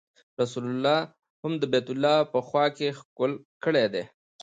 رسول الله هم د بیت الله په خوا کې ښکل کړی دی.